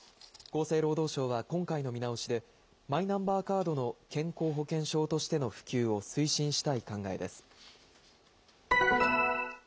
厚生労働省は今回の見直しで、マイナンバーカードの健康保険証としての普及を推進したい考えです。